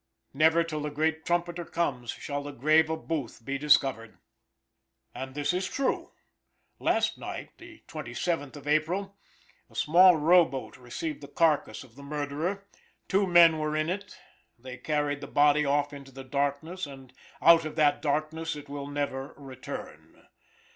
Never till the great trumpeter comes shall the grave of Booth be discovered." And this is true. Last night, the 27th of April, a small row boat received the carcass of the murderer; two men were in it they carried the body off into the darkness, and out of that darkness it will never return.